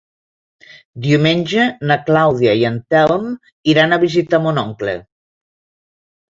Diumenge na Clàudia i en Telm iran a visitar mon oncle.